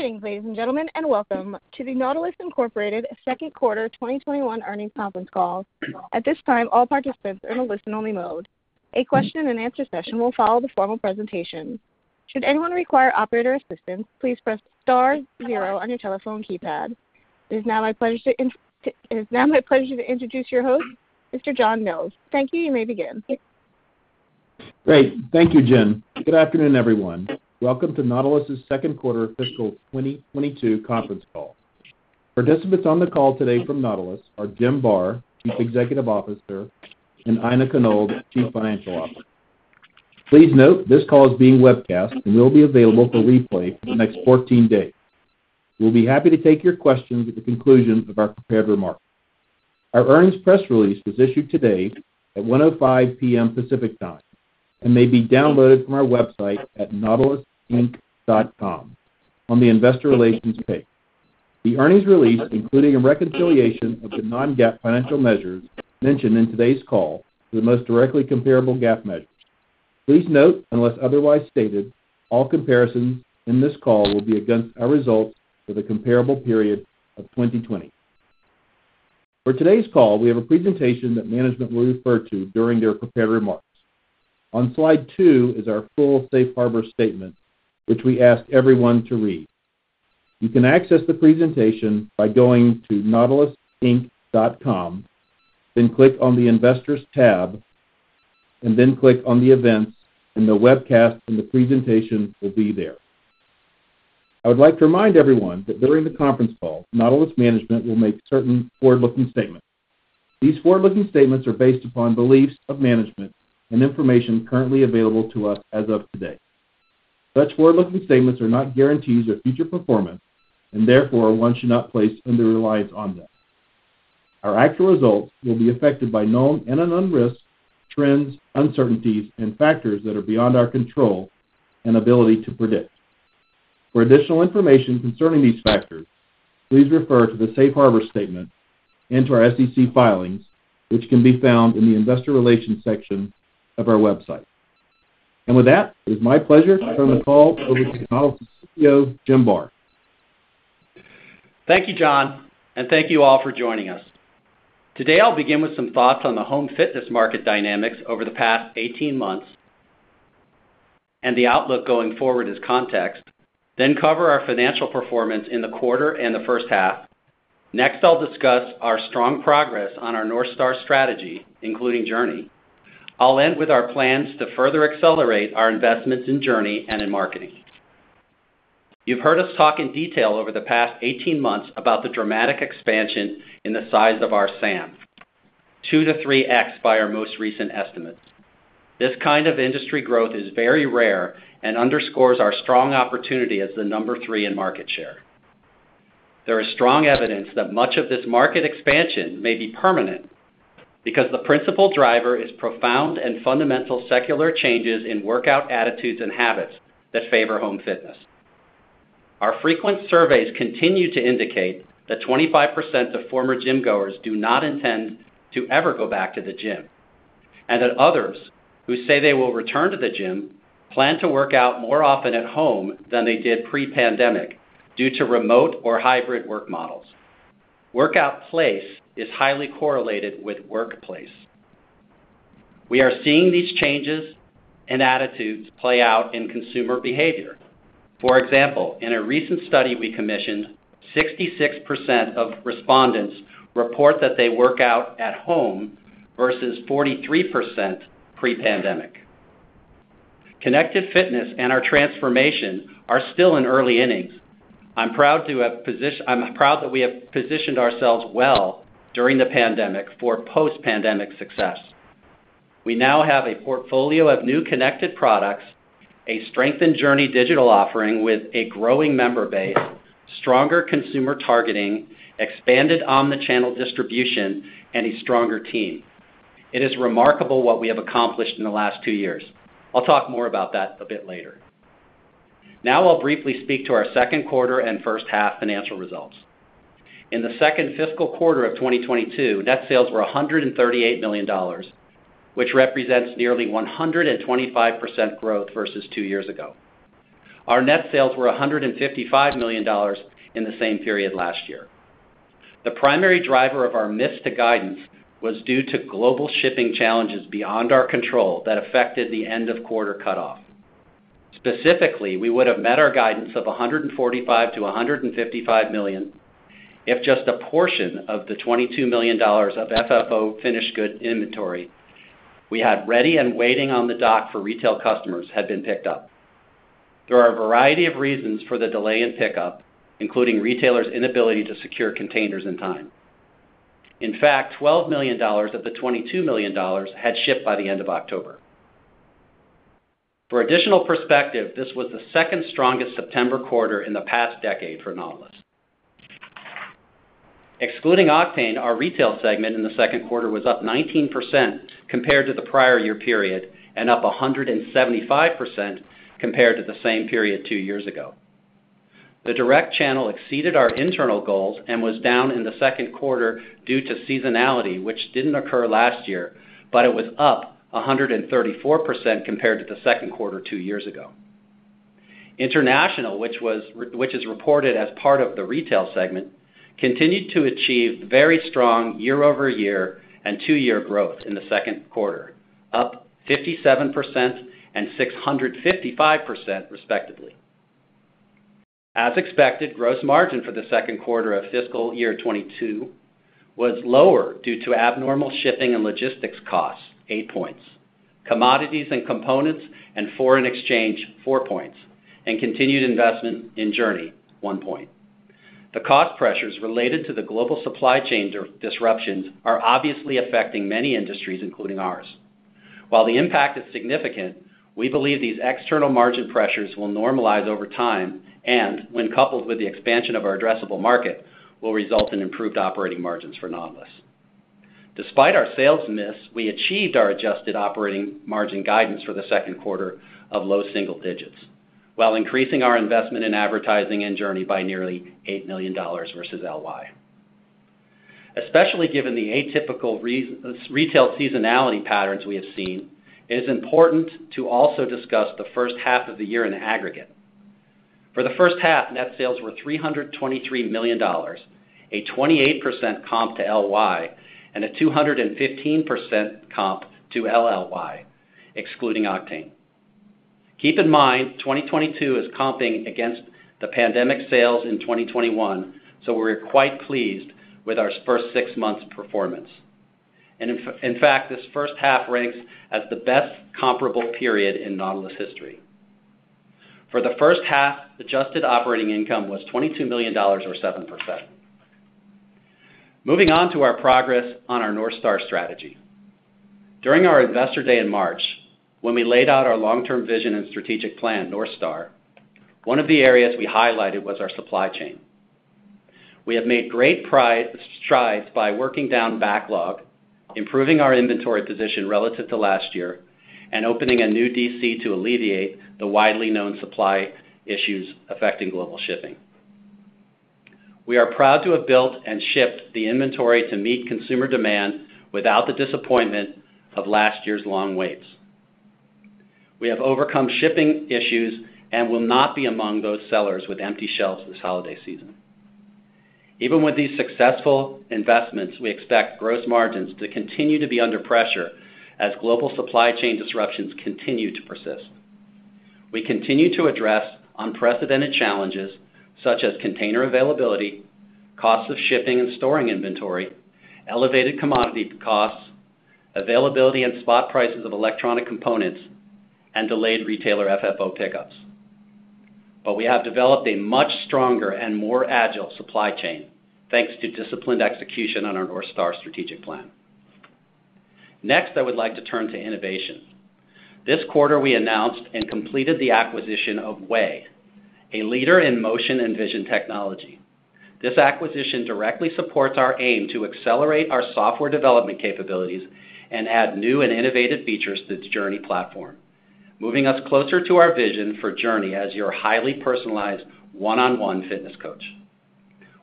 Greetings ladies and gentlemen and welcome to the Nautilus, Inc. second quarter 2021 earnings conference call. At this time, all participants are in a listen-only mode. A question-and-answer session will follow the formal presentation. Should anyone require operator assistance, please press star zero on your telephone keypad. It is now my pleasure to introduce your host, Mr. John Mills. Thank you. You may begin. Great. Thank you Jen. Good afternoon, everyone. Welcome to Nautilus's second quarter fiscal 2022 conference call. Participants on the call today from Nautilus are Jim Barr, Chief Executive Officer, and Aina Konold, Chief Financial Officer. Please note this call is being webcast and will be available for replay for the next 14 days. We'll be happy to take your questions at the conclusion of our prepared remarks. Our earnings press release was issued today at 1:05 P.M. Pacific Time and may be downloaded from our website at nautilusinc.com on the Investor Relations page. The earnings release, including a reconciliation of the non-GAAP financial measures mentioned in today's call, is the most directly comparable GAAP measure. Please note, unless otherwise stated, all comparisons in this call will be against our results for the comparable period of 2020. For today's call, we have a presentation that management will refer to during their prepared remarks. On slide two is our full safe harbor statement, which we ask everyone to read. You can access the presentation by going to nautilusinc.com, then click on the Investors tab, and then click on the Events, and the webcast and the presentation will be there. I would like to remind everyone that during the conference call, Nautilus management will make certain forward-looking statements. These forward-looking statements are based upon beliefs of management and information currently available to us as of today. Such forward-looking statements are not guarantees of future performance, and therefore, one should not place undue reliance on them. Our actual results will be affected by known and unknown risks, trends, uncertainties, and factors that are beyond our control and ability to predict. For additional information concerning these factors, please refer to the safe harbor statement and to our SEC filings, which can be found in the Investor Relations section of our website. With that, it is my pleasure to turn the call over to Nautilus' CEO, Jim Barr. Thank you John and thank you all for joining us. Today, I'll begin with some thoughts on the home fitness market dynamics over the past 18 months and the outlook going forward as context, then cover our financial performance in the quarter and the first half. Next, I'll discuss our strong progress on our North Star strategy, including JRNY. I'll end with our plans to further accelerate our investments in JRNY and in marketing. You've heard us talk in detail over the past 18 months about the dramatic expansion in the size of our SAM, 2-3x by our most recent estimates. This kind of industry growth is very rare and underscores our strong opportunity as the number 3 in market share. There is strong evidence that much of this market expansion may be permanent because the principal driver is profound and fundamental secular changes in workout attitudes and habits that favor home fitness. Our frequent surveys continue to indicate that 25% of former gym-goers do not intend to ever go back to the gym, and that others who say they will return to the gym plan to work out more often at home than they did pre-pandemic due to remote or hybrid work models. Workout place is highly correlated with workplace. We are seeing these changes and attitudes play out in consumer behavior. For example, in a recent study we commissioned, 66% of respondents report that they work out at home versus 43% pre-pandemic. Connected fitness and our transformation are still in early innings. I'm proud that we have positioned ourselves well during the pandemic for post-pandemic success. We now have a portfolio of new connected products, a strengthened JRNY digital offering with a growing member base, stronger consumer targeting, expanded omni-channel distribution, and a stronger team. It is remarkable what we have accomplished in the last two years. I'll talk more about that a bit later. Now I'll briefly speak to our second quarter and first half financial results. In the second fiscal quarter of 2022, net sales were $138 million, which represents nearly 125% growth versus two years ago. Our net sales were $155 million in the same period last year. The primary driver of our miss to guidance was due to global shipping challenges beyond our control that affected the end of quarter cutoff. Specifically, we would have met our guidance of $145 million-$155 million if just a portion of the $22 million of finished goods inventory we had ready and waiting on the dock for retail customers had been picked up. There are a variety of reasons for the delay in pickup, including retailers' inability to secure containers in time. In fact, $12 million of the $22 million had shipped by the end of October. For additional perspective, this was the second strongest September quarter in the past decade for Nautilus. Excluding Octane, our retail segment in the second quarter was up 19% compared to the prior year period and up 175% compared to the same period two years ago. The direct channel exceeded our internal goals and was down in the second quarter due to seasonality, which didn't occur last year, but it was up 134% compared to the second quarter two years ago. International, which is reported as part of the retail segment, continued to achieve very strong year-over-year and two-year growth in the second quarter, up 57% and 655% respectively. As expected, gross margin for the second quarter of fiscal year 2022 was lower due to abnormal shipping and logistics costs, 8 points, commodities and components and foreign exchange, 4 points, and continued investment in JRNY, 1 point. The cost pressures related to the global supply chain disruptions are obviously affecting many industries, including ours. While the impact is significant, we believe these external margin pressures will normalize over time, and when coupled with the expansion of our addressable market, will result in improved operating margins for Nautilus. Despite our sales miss, we achieved our adjusted operating margin guidance for the second quarter of low single digits while increasing our investment in advertising and JRNY by nearly $8 million versus LY. Especially given the atypical retail seasonality patterns we have seen, it is important to also discuss the first half of the year in aggregate. For the first half, net sales were $323 million, a 28% comp to LY, and a 215% comp to LLY, excluding Octane. Keep in mind, 2022 is comping against the pandemic sales in 2021, so we're quite pleased with our first six months performance. In fact, this first half ranks as the best comparable period in Nautilus history. For the first half, adjusted operating income was $22 million or 7%. Moving on to our progress on our North Star strategy. During our Investor Day in March, when we laid out our long-term vision and strategic plan, North Star, one of the areas we highlighted was our supply chain. We have made great strides by working down backlog, improving our inventory position relative to last year, and opening a new DC to alleviate the widely known supply issues affecting global shipping. We are proud to have built and shipped the inventory to meet consumer demand without the disappointment of last year's long waits. We have overcome shipping issues and will not be among those sellers with empty shelves this holiday season. Even with these successful investments, we expect gross margins to continue to be under pressure as global supply chain disruptions continue to persist. We continue to address unprecedented challenges, such as container availability, cost of shipping and storing inventory, elevated commodity costs, availability and spot prices of electronic components, and delayed retailer FFO pickups. We have developed a much stronger and more agile supply chain, thanks to disciplined execution on our North Star strategic plan. Next, I would like to turn to innovation. This quarter, we announced and completed the acquisition of VAY, a leader in motion and vision technology. This acquisition directly supports our aim to accelerate our software development capabilities and add new and innovative features to the JRNY platform, moving us closer to our vision for JRNY as your highly personalized one-on-one fitness coach.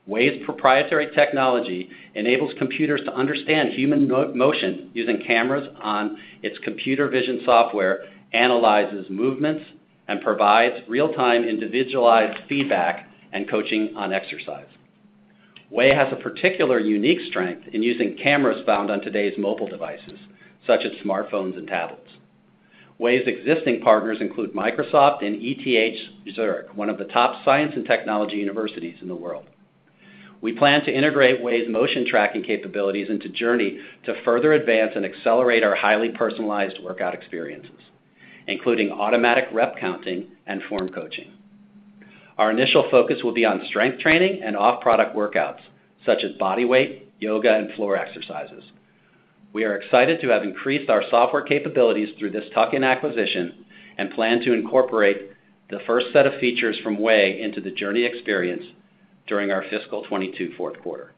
VAY's proprietary technology enables computers to understand human motion using cameras on its computer vision software, analyzes movements, and provides real-time individualized feedback and coaching on exercise. VAY has a particular unique strength in using cameras found on today's mobile devices, such as smartphones and tablets. VAY's existing partners include Microsoft and ETH Zurich, one of the top science and technology universities in the world. We plan to integrate VAY's motion tracking capabilities into JRNY to further advance and accelerate our highly personalized workout experiences, including automatic rep counting and form coaching. Our initial focus will be on strength training and off-product workouts, such as body weight, yoga, and floor exercises. We are excited to have increased our software capabilities through this tuck-in acquisition and plan to incorporate the first set of features from VAY into the JRNY experience during our fiscal 2022 fourth quarter.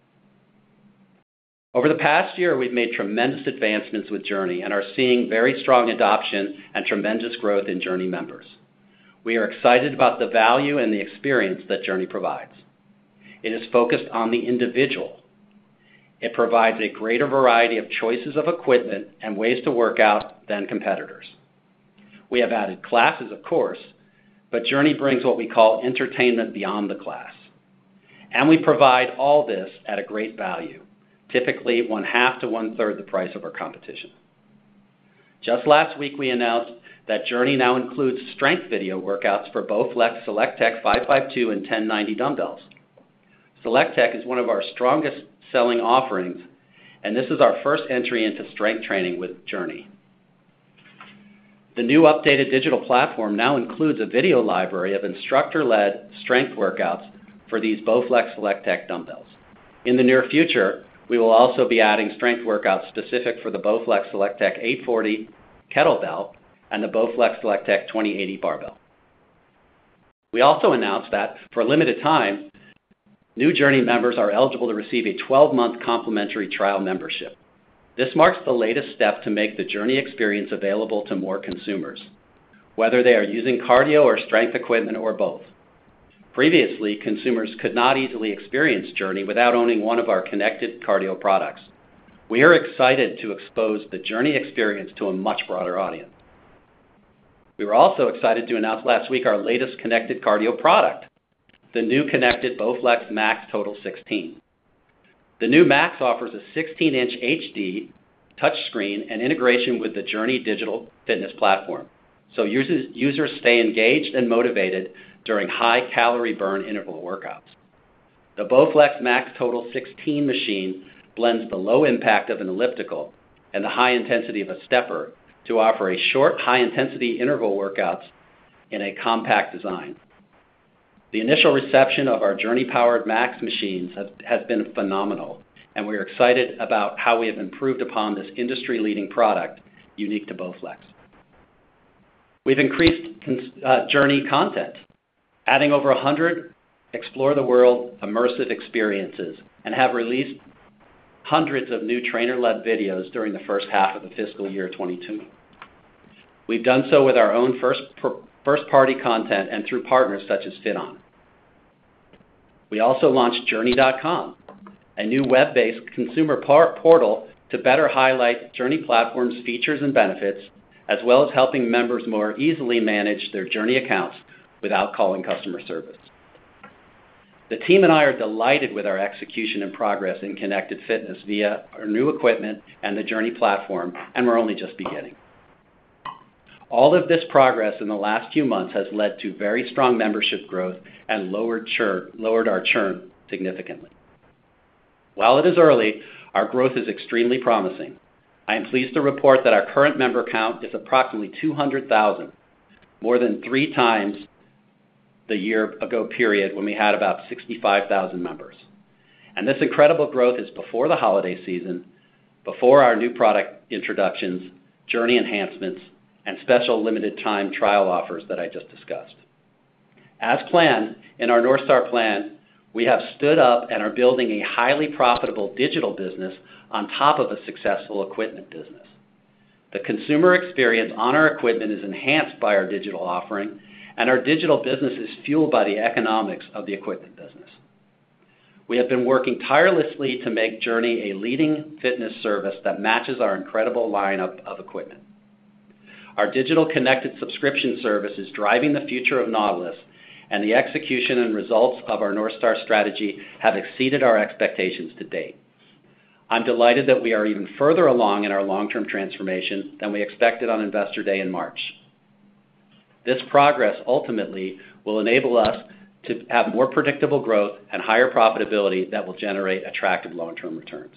Over the past year, we've made tremendous advancements with JRNY and are seeing very strong adoption and tremendous growth in JRNY members. We are excited about the value and the experience that JRNY provides. It is focused on the individual. It provides a greater variety of choices of equipment and ways to work out than competitors. We have added classes, of course, but JRNY brings what we call entertainment beyond the class. We provide all this at a great value, typically one half to one-third the price of our competition. Just last week, we announced that JRNY now includes strength video workouts for both SelectTech 552 and 1090 dumbbells. SelectTech is one of our strongest selling offerings, and this is our first entry into strength training with JRNY. The new updated digital platform now includes a video library of instructor-led strength workouts for these Bowflex SelectTech dumbbells. In the near future, we will also be adding strength workouts specific for the Bowflex SelectTech 840 kettlebell and the Bowflex SelectTech 2080 barbell. We also announced that for a limited time, new JRNY members are eligible to receive a 12-month complimentary trial membership. This marks the latest step to make the JRNY experience available to more consumers, whether they are using cardio or strength equipment or both. Previously, consumers could not easily experience JRNY without owning one of our connected cardio products. We are excited to expose the JRNY experience to a much broader audience. We were also excited to announce last week our latest connected cardio product, the new connected Bowflex Max Total 16. The new Max offers a 16-inch HD touchscreen and integration with the JRNY digital fitness platform, so users stay engaged and motivated during high calorie burn interval workouts. The BowFlex Max Total 16 machine blends the low impact of an elliptical and the high intensity of a stepper to offer a short, high intensity interval workouts in a compact design. The initial reception of our JRNY-powered Max machines has been phenomenal, and we're excited about how we have improved upon this industry-leading product unique to BowFlex. We've increased JRNY content, adding over 100 Explore the World immersive experiences and have released hundreds of new trainer-led videos during the first half of the fiscal year 2022. We've done so with our own first-party content and through partners such as FitOn. We also launched jrny.com, a new web-based consumer portal to better highlight JRNY platform's features and benefits, as well as helping members more easily manage their JRNY accounts without calling customer service. The team and I are delighted with our execution and progress in connected fitness via our new equipment and the JRNY platform, and we're only just beginning. All of this progress in the last few months has led to very strong membership growth and lowered our churn significantly. While it is early, our growth is extremely promising. I am pleased to report that our current member count is approximately 200,000, more than three times the year ago period when we had about 65,000 members. This incredible growth is before the holiday season, before our new product introductions, JRNY enhancements, and special limited time trial offers that I just discussed. As planned in our North Star plan, we have stood up and are building a highly profitable digital business on top of a successful equipment business. The consumer experience on our equipment is enhanced by our digital offering, and our digital business is fueled by the economics of the equipment business. We have been working tirelessly to make JRNY a leading fitness service that matches our incredible lineup of equipment. Our digital connected subscription service is driving the future of Nautilus, and the execution and results of our North Star strategy have exceeded our expectations to date. I'm delighted that we are even further along in our long-term transformation than we expected on Investor Day in March. This progress ultimately will enable us to have more predictable growth and higher profitability that will generate attractive long-term returns.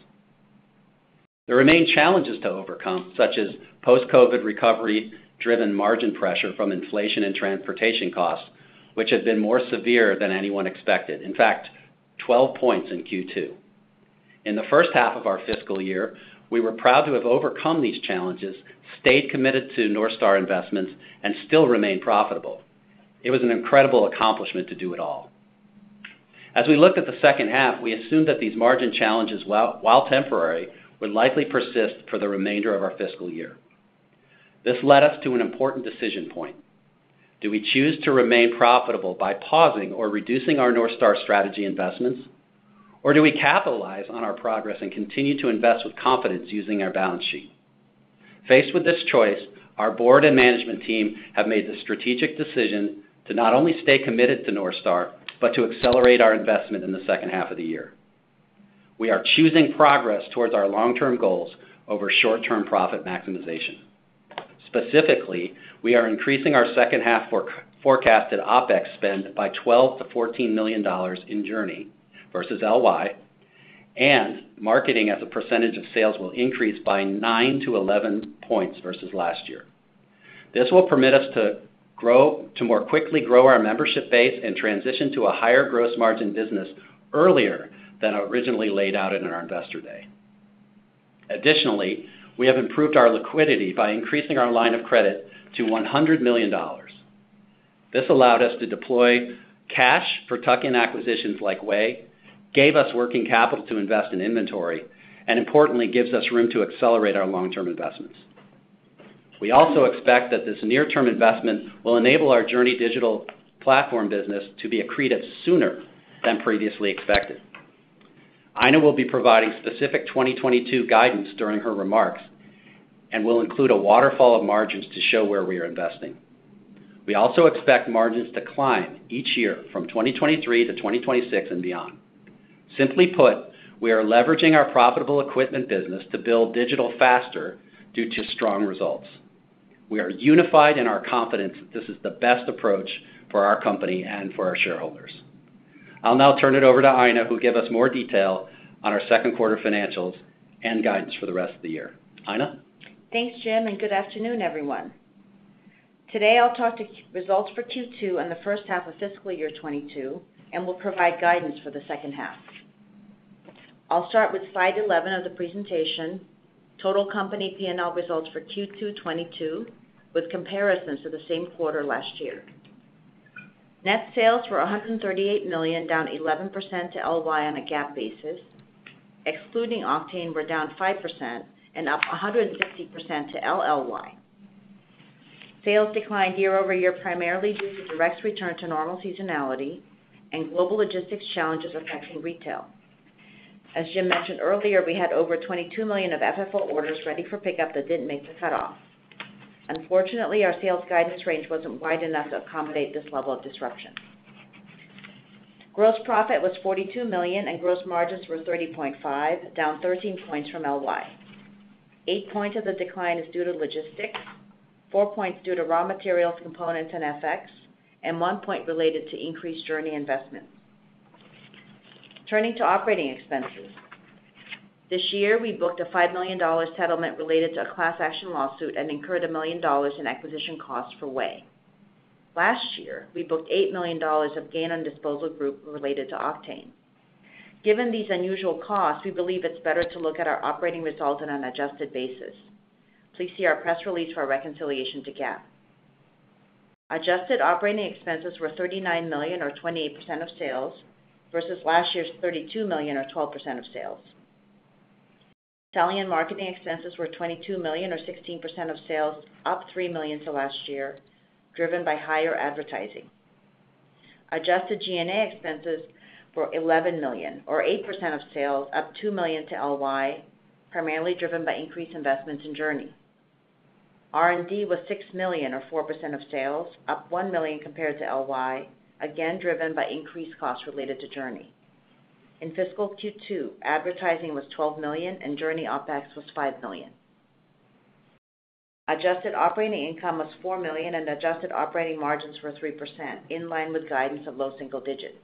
There remain challenges to overcome, such as post-COVID recovery-driven margin pressure from inflation and transportation costs, which have been more severe than anyone expected. In fact, 12 points in Q2. In the first half of our fiscal year, we were proud to have overcome these challenges, stayed committed to North Star investments, and still remained profitable. It was an incredible accomplishment to do it all. As we look at the second half, we assume that these margin challenges, while temporary, will likely persist for the remainder of our fiscal year. This led us to an important decision point. Do we choose to remain profitable by pausing or reducing our North Star strategy investments, or do we capitalize on our progress and continue to invest with confidence using our balance sheet? Faced with this choice, our board and management team have made the strategic decision to not only stay committed to North Star, but to accelerate our investment in the second half of the year. We are choosing progress towards our long-term goals over short-term profit maximization. Specifically, we are increasing our second half forecasted OpEx spend by $12 million-$14 million in JRNY versus LY, and marketing as a percentage of sales will increase by 9-11 points versus last year. This will permit us to more quickly grow our membership base and transition to a higher gross margin business earlier than originally laid out in our Investor Day. Additionally, we have improved our liquidity by increasing our line of credit to $100 million. This allowed us to deploy cash for tuck-in acquisitions like VAY, gave us working capital to invest in inventory, and importantly, gives us room to accelerate our long-term investments. We also expect that this near-term investment will enable our JRNY digital platform business to be accretive sooner than previously expected. Aina will be providing specific 2022 guidance during her remarks and will include a waterfall of margins to show where we are investing. We also expect margins to climb each year from 2023 to 2026 and beyond. Simply put, we are leveraging our profitable equipment business to build digital faster due to strong results. We are unified in our confidence that this is the best approach for our company and for our shareholders. I'll now turn it over to Aina Konold, who'll give us more detail on our second quarter financials and guidance for the rest of the year. Aina? Thanks Jim and good afternoon everyone. Today, I'll talk about results for Q2 and the first half of fiscal year 2022, and we'll provide guidance for the second half. I'll start with slide 11 of the presentation, total company P&L results for Q2 2022, with comparisons to the same quarter last year. Net sales were $138 million, down 11% to LY on a GAAP basis. Excluding Octane, we're down 5% and up 150% to LLY. Sales declined year-over-year primarily due to Direct's return to normal seasonality and global logistics challenges affecting retail. As Jim mentioned earlier, we had over $22 million of FFO orders ready for pickup that didn't make the cutoff. Unfortunately, our sales guidance range wasn't wide enough to accommodate this level of disruption. Gross profit was $42 million and gross margins were 30.5%, down 13 points from LY. Eight points of the decline is due to logistics, 4 points due to raw materials, components, and FX, and 1 point related to increased JRNY investments. Turning to operating expenses. This year, we booked a $5 million settlement related to a class action lawsuit and incurred $1 million in acquisition costs for VAY. Last year, we booked $8 million of gain on disposal group related to Octane. Given these unusual costs, we believe it's better to look at our operating results on an adjusted basis. Please see our press release for a reconciliation to GAAP. Adjusted operating expenses were $39 million or 28% of sales versus last year's $32 million or 12% of sales. Selling and marketing expenses were $22 million or 16% of sales, up $3 million to last year, driven by higher advertising. Adjusted G&A expenses were $11 million or 8% of sales, up $2 million to LY, primarily driven by increased investments in JRNY. R&D was $6 million or 4% of sales, up $1 million compared to LY, again driven by increased costs related to JRNY. In fiscal Q2, advertising was $12 million and JRNY OpEx was $5 million. Adjusted operating income was $4 million and adjusted operating margins were 3%, in line with guidance of low single digits.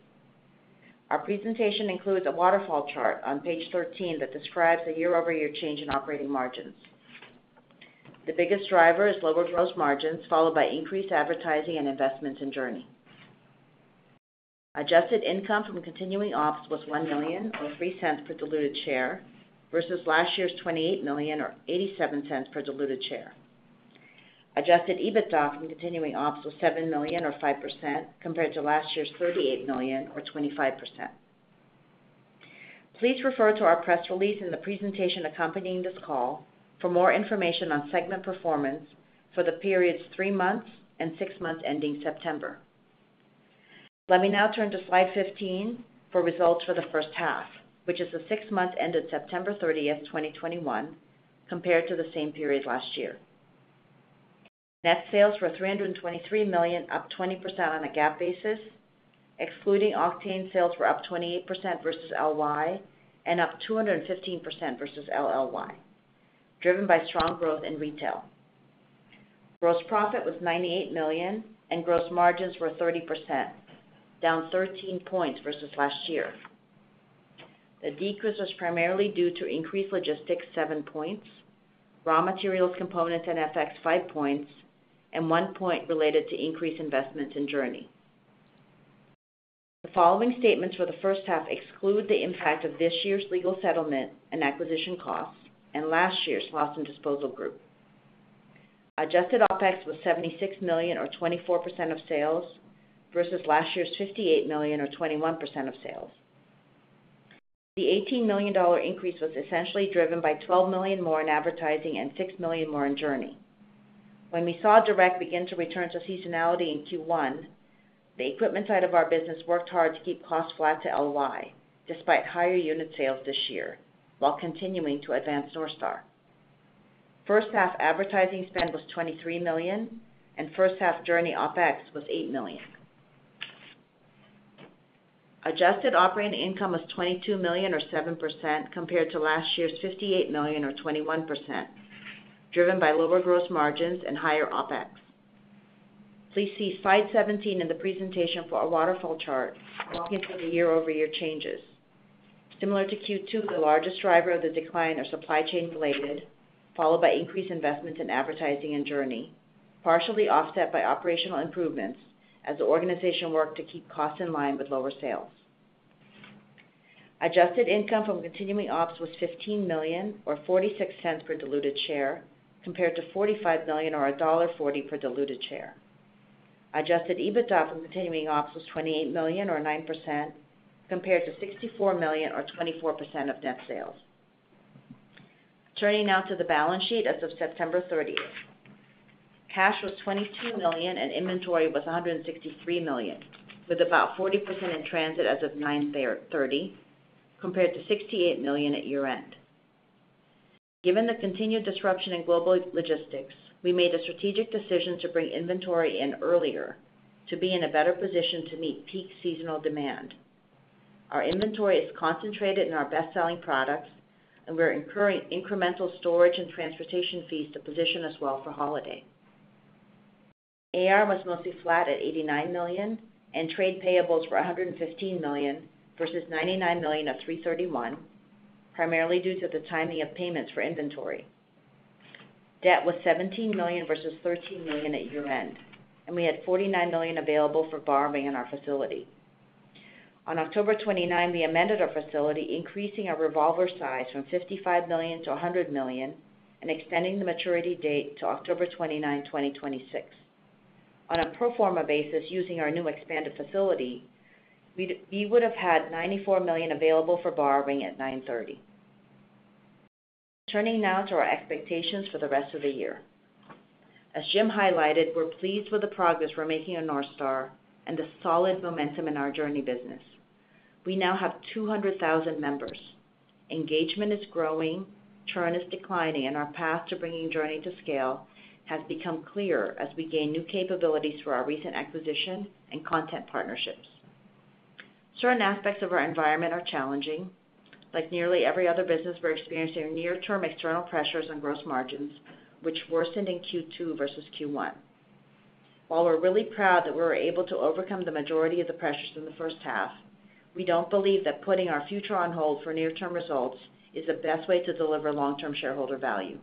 Our presentation includes a waterfall chart on page 13 that describes the year-over-year change in operating margins. The biggest driver is lower gross margins, followed by increased advertising and investments in JRNY. Adjusted income from continuing ops was $1 million or $0.03 per diluted share versus last year's $28 million or $0.87 per diluted share. Adjusted EBITDA from continuing ops was $7 million or 5% compared to last year's $38 million or 25%. Please refer to our press release and the presentation accompanying this call for more information on segment performance for the periods 3 months and 6 months ending September. Let me now turn to slide 15 for results for the first half, which is the 6 months ended September 30th, 2021, compared to the same period last year. Net sales were $323 million, up 20% on a GAAP basis. Excluding Octane, sales were up 28% versus LY and up 215% versus LLY, driven by strong growth in retail. Gross profit was $98 million, and gross margins were 30%, down 13 points versus last year. The decrease was primarily due to increased logistics 7 points, raw materials, components, and FX 5 points, and 1 point related to increased investments in JRNY. The following statements for the first half exclude the impact of this year's legal settlement and acquisition costs and last year's loss and disposal group. Adjusted OpEx was $76 million or 24% of sales versus last year's $58 million or 21% of sales. The $18 million increase was essentially driven by $12 million more in advertising and $6 million more in JRNY. When we saw Direct begin to return to seasonality in Q1, the equipment side of our business worked hard to keep costs flat to LY despite higher unit sales this year while continuing to advance North Star. First half advertising spend was $23 million, and first half JRNY OpEx was $8 million. Adjusted operating income was $22 million or 7% compared to last year's $58 million or 21%, driven by lower gross margins and higher OpEx. Please see slide 17 in the presentation for a waterfall chart walking through the year-over-year changes. Similar to Q2, the largest driver of the decline are supply chain related, followed by increased investments in advertising and JRNY, partially offset by operational improvements as the organization worked to keep costs in line with lower sales. Adjusted income from continuing ops was $15 million or $0.46 per diluted share, compared to $45 million or $1.40 per diluted share. Adjusted EBITDA from continuing ops was $28 million or 9% compared to $64 million or 24% of net sales. Turning now to the balance sheet as of September 30. Cash was $22 million and inventory was $163 million, with about 40% in transit as of 9/30 compared to $68 million at year-end. Given the continued disruption in global logistics, we made a strategic decision to bring inventory in earlier to be in a better position to meet peak seasonal demand. Our inventory is concentrated in our best-selling products, and we're incurring incremental storage and transportation fees to position us well for holiday. AR was mostly flat at $89 million, and trade payables were $115 million versus $99 million at 3/31, primarily due to the timing of payments for inventory. Debt was $17 million versus $13 million at year-end, and we had $49 million available for borrowing in our facility. On October 29th, we amended our facility, increasing our revolver size from $55 million to $100 million and extending the maturity date to October 29th, 2026. On a pro forma basis, using our new expanded facility, we would have had $94 million available for borrowing at 9/30. Turning now to our expectations for the rest of the year. As Jim highlighted, we're pleased with the progress we're making on North Star and the solid momentum in our JRNY business. We now have 200,000 members. Engagement is growing, churn is declining, and our path to bringing JRNY to scale has become clearer as we gain new capabilities through our recent acquisition and content partnerships. Certain aspects of our environment are challenging. Like nearly every other business, we're experiencing near-term external pressures on gross margins, which worsened in Q2 versus Q1. While we're really proud that we were able to overcome the majority of the pressures in the first half, we don't believe that putting our future on hold for near-term results is the best way to deliver long-term shareholder value.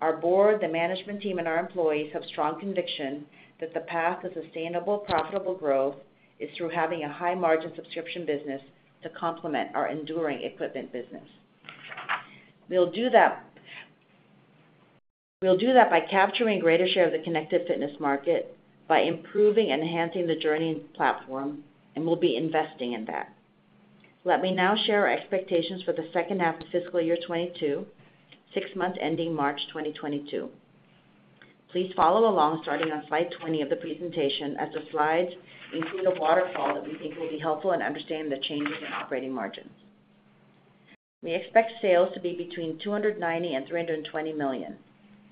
Our board, the management team, and our employees have strong conviction that the path to sustainable, profitable growth is through having a high-margin subscription business to complement our enduring equipment business. We'll do that by capturing greater share of the connected fitness market, by improving and enhancing the JRNY platform, and we'll be investing in that. Let me now share our expectations for the second half of fiscal year 2022, six months ending March 2022. Please follow along starting on slide 20 of the presentation, as the slides include a waterfall that we think will be helpful in understanding the changes in operating margins. We expect sales to be between $290 million and $320 million,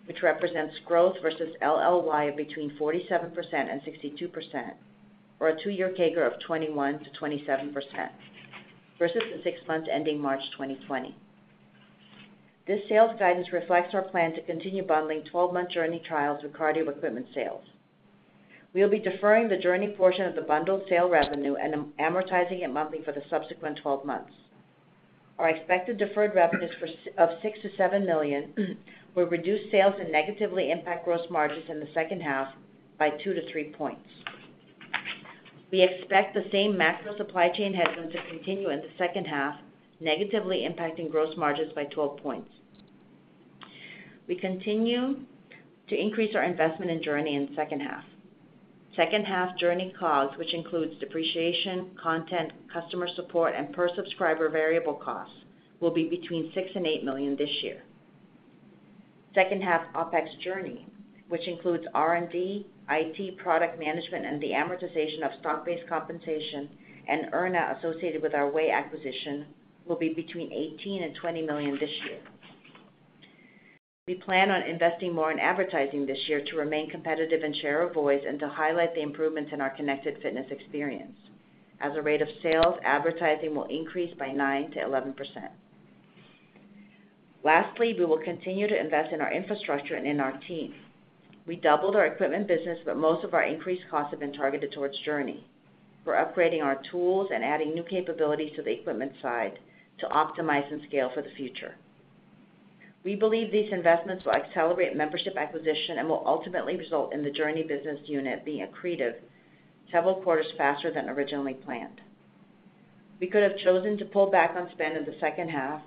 which represents growth versus LY of between 47% and 62%, or a two-year CAGR of 21%-27%, versus the six months ending March 2020. This sales guidance reflects our plan to continue bundling 12-month JRNY trials with cardio equipment sales. We'll be deferring the JRNY portion of the bundled sale revenue and amortizing it monthly for the subsequent 12 months. Our expected deferred revenues of $6 million-$7 million will reduce sales and negatively impact gross margins in the second half by 2-3 points. We expect the same macro supply chain headwinds to continue in the second half, negatively impacting gross margins by 12 points. We continue to increase our investment in JRNY in the second half. Second half JRNY costs, which includes depreciation, content, customer support, and per-subscriber variable costs, will be between $6 million and $8 million this year. Second half OpEx JRNY, which includes R&D, IT, product management, and the amortization of stock-based compensation and earn-out associated with our VAY acquisition, will be between $18 million and $20 million this year. We plan on investing more in advertising this year to remain competitive and share our voice and to highlight the improvements in our connected fitness experience. As a rate of sales, advertising will increase by 9%-11%. Lastly, we will continue to invest in our infrastructure and in our team. We doubled our equipment business, but most of our increased costs have been targeted towards JRNY. We're upgrading our tools and adding new capabilities to the equipment side to optimize and scale for the future. We believe these investments will accelerate membership acquisition and will ultimately result in the JRNY business unit being accretive several quarters faster than originally planned. We could have chosen to pull back on spend in the second half,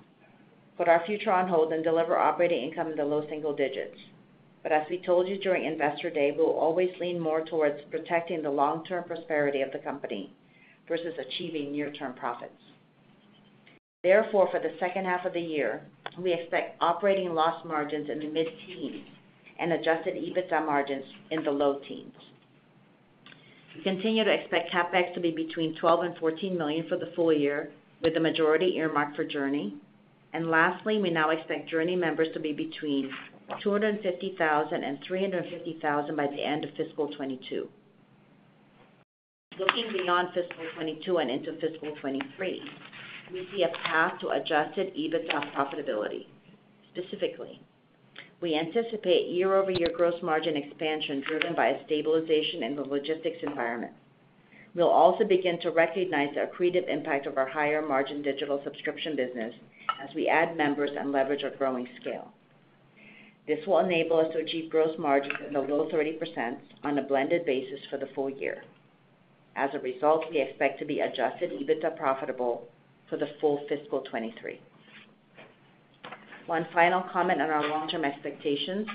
put our future on hold, and deliver operating income in the low single digits%. As we told you during Investor Day, we will always lean more towards protecting the long-term prosperity of the company versus achieving near-term profits. Therefore, for the second half of the year, we expect operating loss margins in the mid-teens% and Adjusted EBITDA margins in the low teens%. We continue to expect CapEx to be between $12 million and $14 million for the full year, with the majority earmarked for JRNY. Lastly, we now expect JRNY members to be between 250,000 and 350,000 by the end of fiscal 2022. Looking beyond fiscal 2022 and into fiscal 2023, we see a path to Adjusted EBITDA profitability. Specifically, we anticipate year-over-year gross margin expansion driven by a stabilization in the logistics environment. We'll also begin to recognize the accretive impact of our higher-margin digital subscription business as we add members and leverage our growing scale. This will enable us to achieve gross margins in the low 30% on a blended basis for the full year. As a result, we expect to be Adjusted EBITDA profitable for the full fiscal 2023. One final comment on our long-term expectations.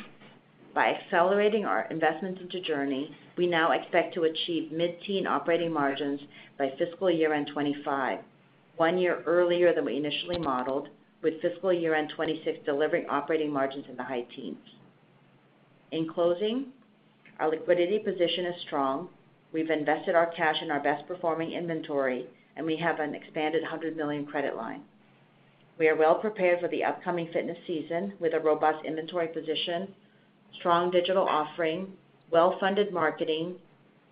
By accelerating our investments into JRNY, we now expect to achieve mid-teens operating margins by fiscal year-end 2025, one year earlier than we initially modeled, with fiscal year-end 2026 delivering operating margins in the high teens. In closing, our liquidity position is strong. We've invested our cash in our best-performing inventory, and we have an expanded $100 million credit line. We are well prepared for the upcoming fitness season with a robust inventory position, strong digital offering, well-funded marketing,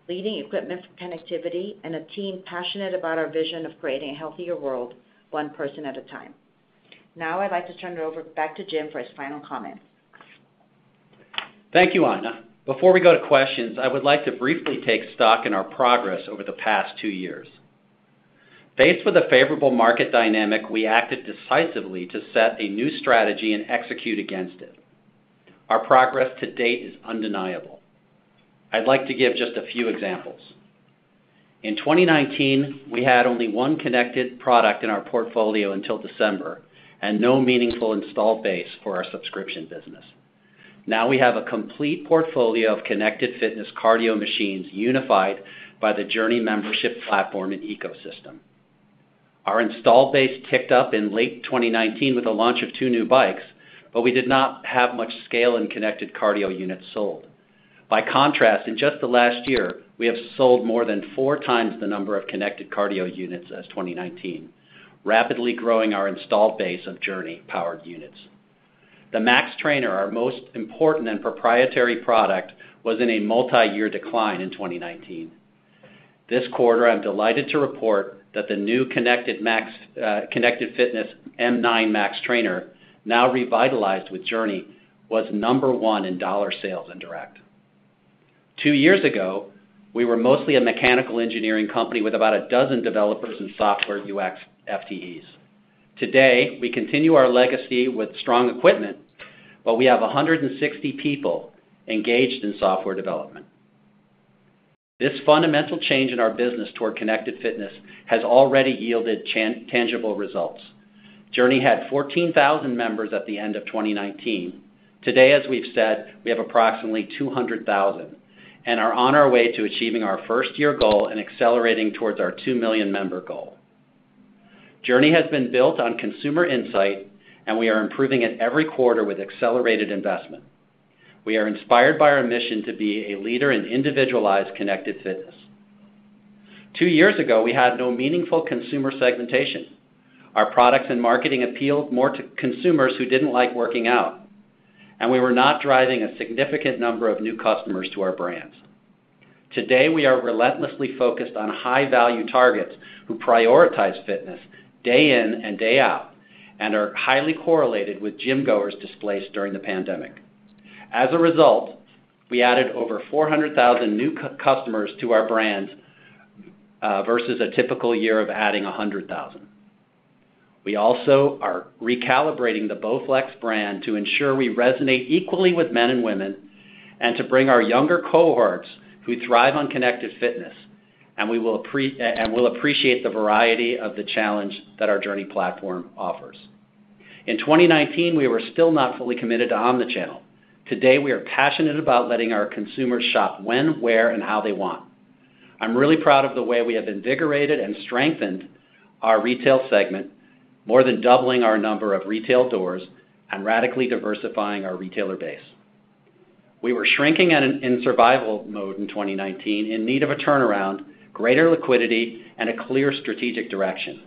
leading equipment connectivity, and a team passionate about our vision of creating a healthier world one person at a time. Now I'd like to turn it over back to Jim for his final comments. Thank you Aina. Before we go to questions, I would like to briefly take stock in our progress over the past two years. Faced with a favorable market dynamic, we acted decisively to set a new strategy and execute against it. Our progress to date is undeniable. I'd like to give just a few examples. In 2019, we had only one connected product in our portfolio until December and no meaningful installed base for our subscription business. Now we have a complete portfolio of connected fitness cardio machines unified by the JRNY membership platform and ecosystem. Our install base ticked up in late 2019 with the launch of two new bikes, but we did not have much scale in connected cardio units sold. By contrast, in just the last year, we have sold more than 4 times the number of connected cardio units as 2019, rapidly growing our installed base of JRNY-powered units. The Max Trainer, our most important and proprietary product, was in a multiyear decline in 2019. This quarter, I'm delighted to report that the new connected fitness M9 Max Trainer, now revitalized with JRNY, was number one in dollar sales in direct. Two years ago, we were mostly a mechanical engineering company with about 12 developers in software UX FTEs. Today, we continue our legacy with strong equipment, but we have 160 people engaged in software development. This fundamental change in our business toward connected fitness has already yielded tangible results. JRNY had 14,000 members at the end of 2019. Today, as we've said, we have approximately 200,000 and are on our way to achieving our first-year goal and accelerating towards our 2 million member goal. JRNY has been built on consumer insight, and we are improving it every quarter with accelerated investment. We are inspired by our mission to be a leader in individualized connected fitness. Two years ago, we had no meaningful consumer segmentation. Our products and marketing appealed more to consumers who didn't like working out, and we were not driving a significant number of new customers to our brands. Today, we are relentlessly focused on high-value targets who prioritize fitness day in and day out and are highly correlated with gym-goers displaced during the pandemic. As a result, we added over 400,000 new customers to our brands versus a typical year of adding 100,000. We also are recalibrating the BowFlex brand to ensure we resonate equally with men and women and to bring our younger cohorts who thrive on connected fitness, and we will appreciate the variety of the challenge that our JRNY platform offers. In 2019, we were still not fully committed to omnichannel. Today, we are passionate about letting our consumers shop when, where, and how they want. I'm really proud of the way we have invigorated and strengthened our retail segment, more than doubling our number of retail doors and radically diversifying our retailer base. We were shrinking and in survival mode in 2019, in need of a turnaround, greater liquidity, and a clear strategic direction.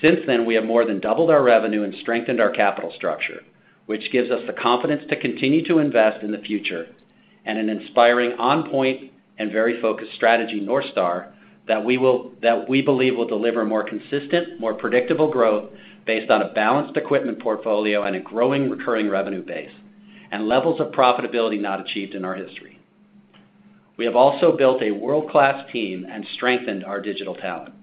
Since then, we have more than doubled our revenue and strengthened our capital structure, which gives us the confidence to continue to invest in the future and an inspiring on-point and very focused strategy North Star that we believe will deliver more consistent, more predictable growth based on a balanced equipment portfolio and a growing recurring revenue base and levels of profitability not achieved in our history. We have also built a world-class team and strengthened our digital talent.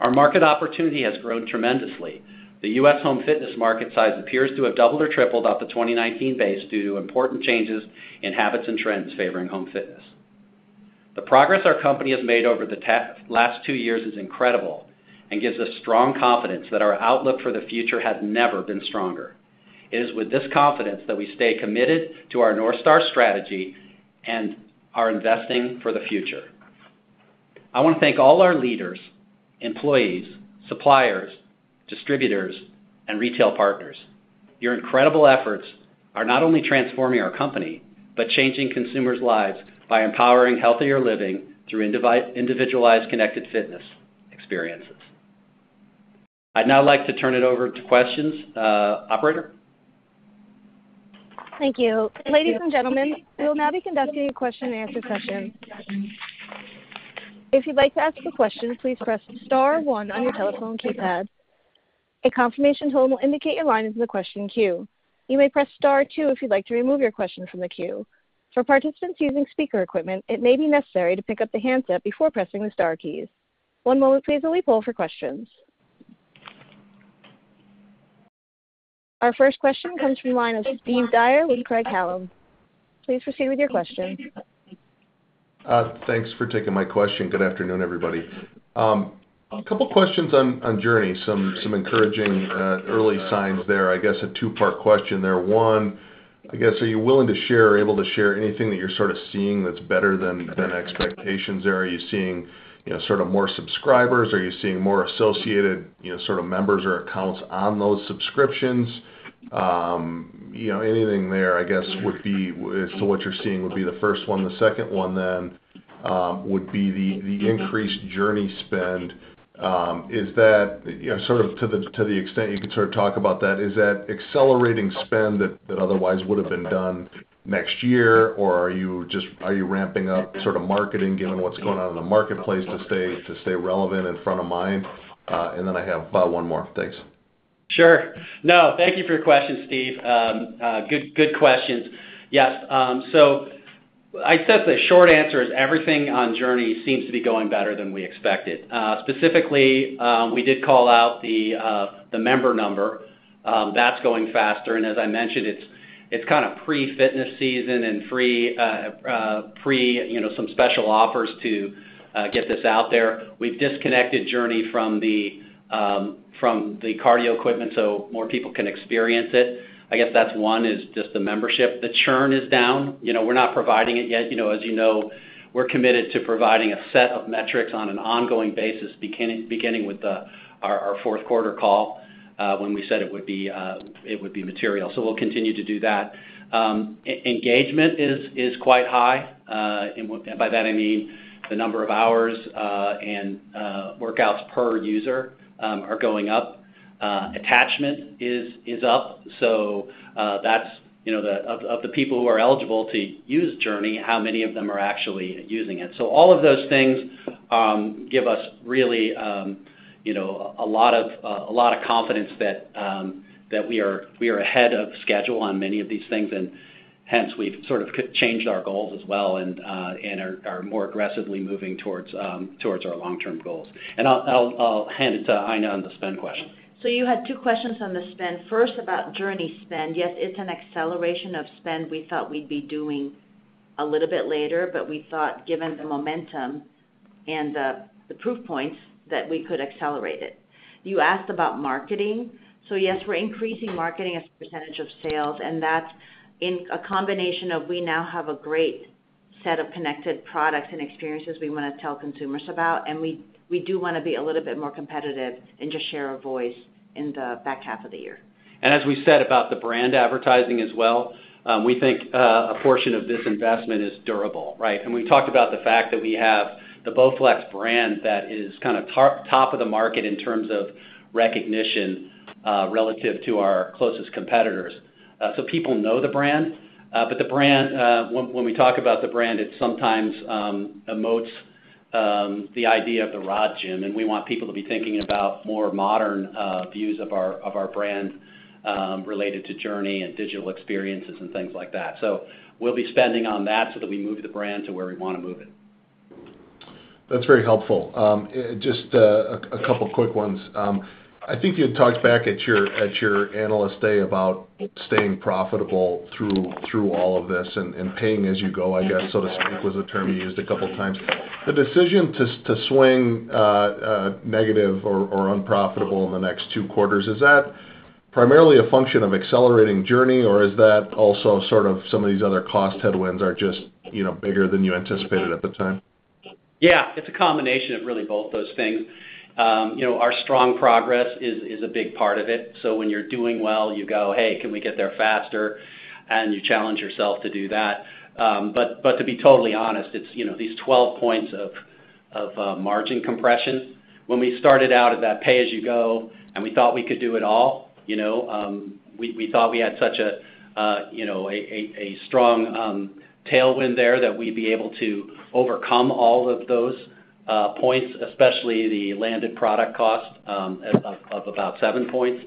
Our market opportunity has grown tremendously. The U.S. home fitness market size appears to have doubled or tripled off the 2019 base due to important changes in habits and trends favoring home fitness. The progress our company has made over the last two years is incredible and gives us strong confidence that our outlook for the future has never been stronger. It is with this confidence that we stay committed to our North Star strategy and are investing for the future. I want to thank all our leaders, employees, suppliers, distributors, and retail partners. Your incredible efforts are not only transforming our company but changing consumers' lives by empowering healthier living through individualized connected fitness experiences. I'd now like to turn it over to questions. Operator? Thank you. Ladies and gentlemen, we will now be conducting a question-and-answer session. If you'd like to ask a question, please press star one on your telephone keypad. A confirmation tone will indicate your line is in the question queue. You may press star two if you'd like to remove your question from the queue. For participants using speaker equipment, it may be necessary to pick up the handset before pressing the star keys. One moment please while we poll for questions. Our first question comes from the line of Steve Dyer with Craig-Hallum. Please proceed with your question. Thanks for taking my question. Good afternoon everybody. A couple questions on JRNY, some encouraging early signs there. I guess a two-part question there. One, I guess, are you willing to share or able to share anything that you're sort of seeing that's better than expectations there? Are you seeing, you know, sort of more subscribers? Are you seeing more associated, you know, sort of members or accounts on those subscriptions? You know, anything there I guess would be as to what you're seeing would be the first one. The second one then would be the increased JRNY spend. Is that, you know, sort of to the extent you can sort of talk about that, is that accelerating spend that otherwise would have been done next year? Are you ramping up sort of marketing given what's going on in the marketplace to stay relevant and front of mind? I have one more. Thanks. Sure. No, thank you for your question, Steve. Good questions. Yes, so I'd say the short answer is everything on JRNY seems to be going better than we expected. Specifically, we did call out the member number. That's going faster, and as I mentioned, it's kind of pre-fitness season and free, you know, some special offers to get this out there. We've disconnected JRNY from the cardio equipment so more people can experience it. I guess that's one, just the membership. The churn is down. You know, we're not providing it yet. You know, as you know, we're committed to providing a set of metrics on an ongoing basis beginning with our fourth quarter call, when we said it would be material. We'll continue to do that. Engagement is quite high. And by that I mean the number of hours and workouts per user are going up. Attachment is up, so that's, you know, of the people who are eligible to use JRNY, how many of them are actually using it? All of those things give us really a lot of confidence that we are ahead of schedule on many of these things, and hence we've sort of changed our goals as well, and are more aggressively moving towards our long-term goals. I'll hand it to Ina on the spend question. You had two questions on the spend. First, about JRNY spend. Yes, it's an acceleration of spend we thought we'd be doing a little bit later, but we thought given the momentum and the proof points that we could accelerate it. You asked about marketing. Yes, we're increasing marketing as a percentage of sales, and that's in a combination of we now have a great set of connected products and experiences we wanna tell consumers about, and we do wanna be a little bit more competitive and just share our voice in the back half of the year. As we said about the brand advertising as well, we think a portion of this investment is durable, right? We talked about the fact that we have the Bowflex brand that is top of the market in terms of recognition relative to our closest competitors. People know the brand, but the brand, when we talk about the brand, it sometimes emotes the idea of the rod gym, and we want people to be thinking about more modern views of our brand related to JRNY and digital experiences and things like that. We'll be spending on that so that we move the brand to where we wanna move it. That's very helpful. Just a couple quick ones. I think you had talked back at your Investor Day about staying profitable through all of this and paying as you go, I guess, so to speak, was a term you used a couple times. The decision to swing negative or unprofitable in the next two quarters, is that primarily a function of accelerating JRNY, or is that also sort of some of these other cost headwinds are just, you know, bigger than you anticipated at the time? Yeah. It's a combination of really both those things. You know, our strong progress is a big part of it. When you're doing well, you go, "Hey, can we get there faster?" You challenge yourself to do that. But to be totally honest, it's, you know, these 12 points of margin compression. When we started out at that pay as you go and we thought we could do it all, you know, we thought we had such a, you know, a strong tailwind there that we'd be able to overcome all of those points, especially the landed product cost of about 7 points.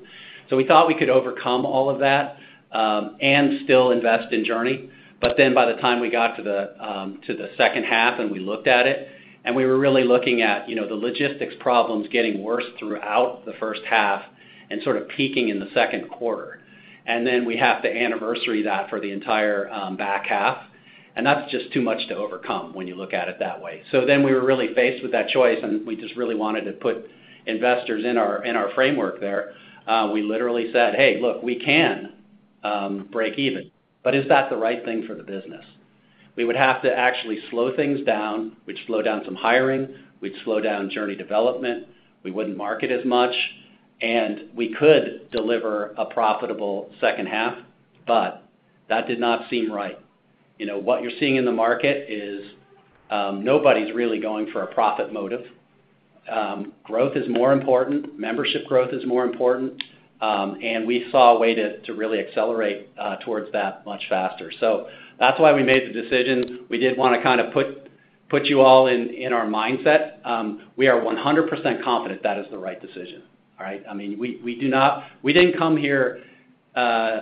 We thought we could overcome all of that and still invest in JRNY. By the time we got to the second half and we looked at it, and we were really looking at, you know, the logistics problems getting worse throughout the first half and sort of peaking in the second quarter. We have to anniversary that for the entire back half, and that's just too much to overcome when you look at it that way. We were really faced with that choice, and we just really wanted to put investors in our, in our framework there. We literally said, "Hey, look, we can break even, but is that the right thing for the business?" We would have to actually slow things down, which slow down some hiring. We'd slow down JRNY development. We wouldn't market as much, and we could deliver a profitable second half, but that did not seem right. You know, what you're seeing in the market is, nobody's really going for a profit motive. Growth is more important. Membership growth is more important. We saw a way to really accelerate toward that much faster. That's why we made the decision. We did wanna kind of put you all in our mindset. We are 100% confident that is the right decision. All right? I mean, we didn't come here.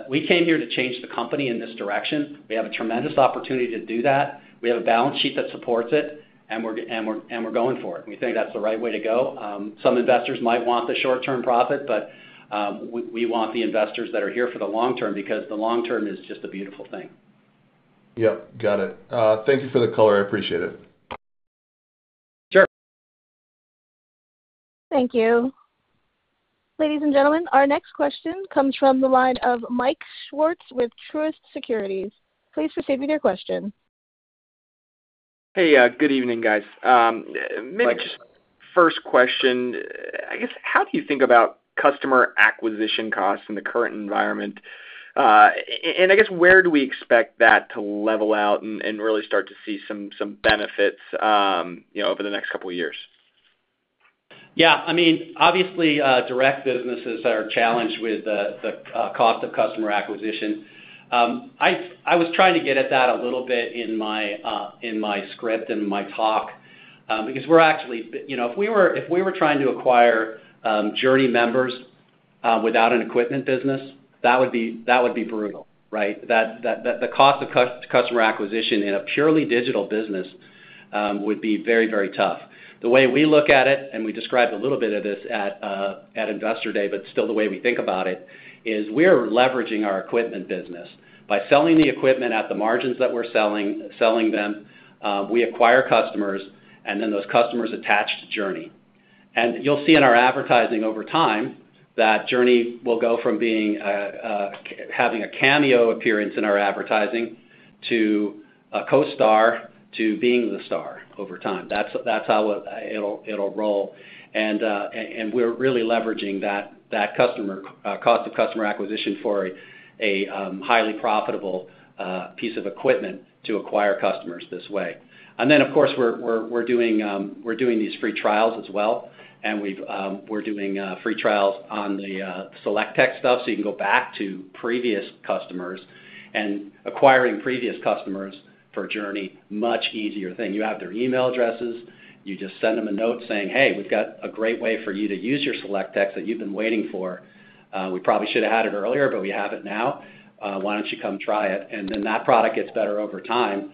We came here to change the company in this direction. We have a tremendous opportunity to do that. We have a balance sheet that supports it, and we're going for it, and we think that's the right way to go. Some investors might want the short-term profit, but we want the investors that are here for the long term because the long term is just a beautiful thing. Yep, got it. Thank you for the color. I appreciate it. Sure. Thank you. Ladies and gentlemen, our next question comes from the line of Mike Swartz with Truist Securities. Please proceed with your question. Hey, good evening guys. Mike. First question. I guess, how do you think about customer acquisition costs in the current environment? I guess where do we expect that to level out and really start to see some benefits, you know, over the next couple of years? Yeah. I mean, obviously, direct businesses are challenged with the cost of customer acquisition. I was trying to get at that a little bit in my script and my talk, because we're actually. You know, if we were trying to acquire JRNY members without an equipment business, that would be brutal, right? The cost of customer acquisition in a purely digital business would be very, very tough. The way we look at it, and we described a little bit of this at Investor Day, but still the way we think about it, is we are leveraging our equipment business. By selling the equipment at the margins that we're selling them, we acquire customers, and then those customers attach to JRNY. You'll see in our advertising over time that JRNY will go from having a cameo appearance in our advertising to a co-star to being the star over time. That's how it'll roll. We're really leveraging that customer acquisition cost for a highly profitable piece of equipment to acquire customers this way. Of course, we're doing these free trials as well, and we're doing free trials on the SelectTech stuff, so you can go back to previous customers and acquiring previous customers for JRNY, much easier thing. You have their email addresses, you just send them a note saying, "Hey, we've got a great way for you to use your SelectTech that you've been waiting for. We probably should have had it earlier, but we have it now. Why don't you come try it? Then that product gets better over time.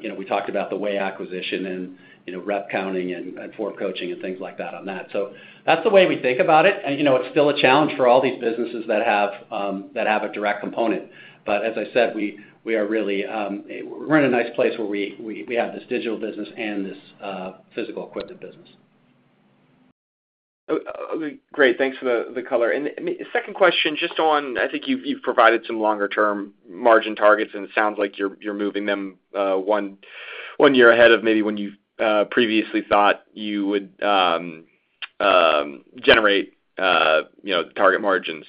You know, we talked about the VAY acquisition and, you know, rep counting and form coaching and things like that on that. That's the way we think about it. You know, it's still a challenge for all these businesses that have a direct component. As I said, we have this digital business and this physical equipment business. Great. Thanks for the color. Second question just on, I think you've provided some longer term margin targets, and it sounds like you're moving them one year ahead of maybe when you previously thought you would generate, you know, the target margins.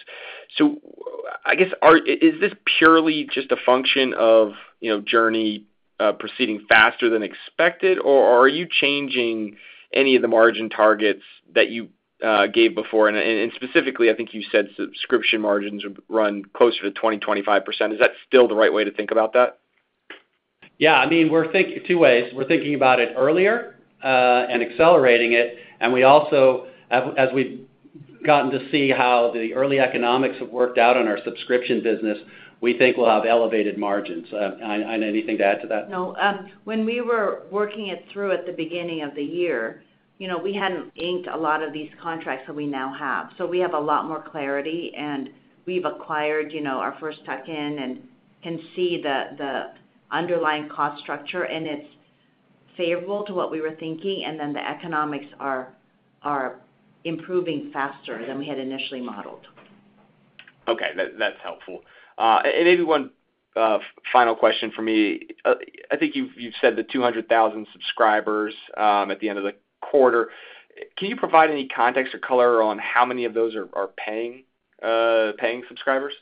I guess is this purely just a function of, you know, JRNY proceeding faster than expected, or are you changing any of the margin targets that you gave before? Specifically, I think you said subscription margins would run closer to 20-25%. Is that still the right way to think about that? Yeah. I mean, we're thinking two ways. We're thinking about it earlier and accelerating it. We also, as we've gotten to see how the early economics have worked out on our subscription business, we think we'll have elevated margins. Aina, anything to add to that? No. When we were working it through at the beginning of the year, you know, we hadn't inked a lot of these contracts that we now have. We have a lot more clarity, and we've acquired, you know, our first tuck-in and can see the underlying cost structure, and it's favorable to what we were thinking, and then the economics are improving faster than we had initially modeled. Okay. That's helpful. Maybe one final question for me. I think you've said the 200,000 subscribers at the end of the quarter. Can you provide any context or color on how many of those are paying subscribers?